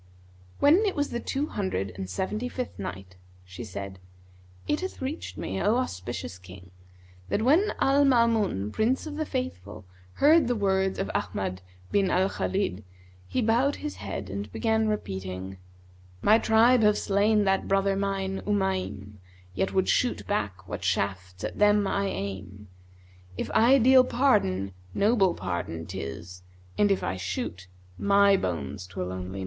When it was the Two Hundred and Seventy fifth Night, She said, It hath reached me, O auspicious King, that when Al Maamun, Prince of the Faithful, heard the words of Ahmad bin al Khбlid, he bowed his head and began repeating, "My tribe have slain that brother mine, Umaym, * Yet would shoot back what shafts at them I aim: If I deal pardon, noble pardon 'tis; * And if I shoot, my bones 'twill only maim."